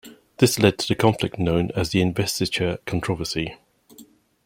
This led to the conflict known as the Investiture Controversy.